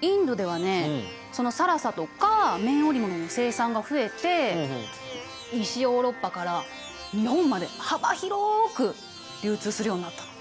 インドではねその更紗とか綿織物の生産が増えて西ヨーロッパから日本まで幅広く流通するようになったの。